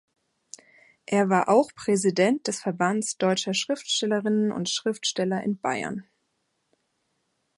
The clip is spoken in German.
Er war auch Präsident des Verbands deutscher Schriftstellerinnen und Schriftsteller in Bayern.